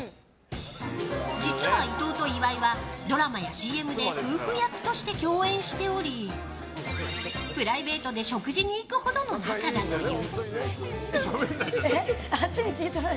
実は、伊藤と岩井はドラマやＣＭで夫婦役として共演しておりプライベートで食事に行くほどの仲だという。